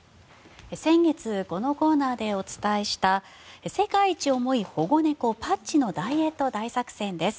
先月このコーナーでお伝えした世界一重い保護猫、パッチのダイエット大作戦です。